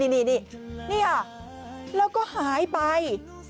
นี่ค่ะแล้วก็หายไป